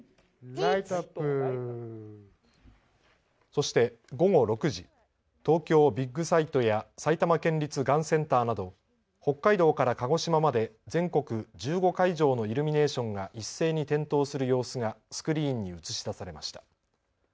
そして午後６時、東京ビッグサイトや埼玉県立がんセンターなど北海道から鹿児島まで全国１５会場のイルミネーションが一斉に点灯する様子がスクリーンに映し出されました。